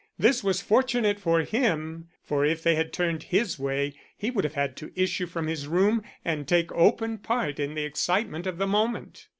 This was fortunate for him, for if they had turned his way he would have had to issue from his room and take open part in the excitement of the moment.